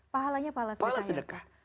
pahalanya pahala sedekah